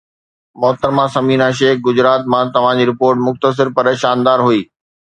محترمه ثمينه شيخ گجرات مان توهان جي رپورٽ مختصر پر شاندار هئي